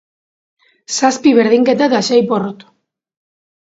Zazpi berdinketa eta sei porrot.